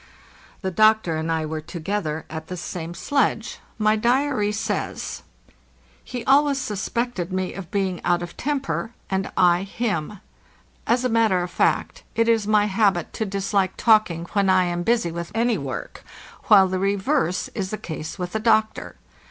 The doctor and I were together at the same sledge. My diary says: '"' He always suspected me of being out of temper, 606 APPENDIX and I him." As a matter of fact, it is my habit to dislike talk ing when I am busy with any work, while the reverse is the case with the doctor.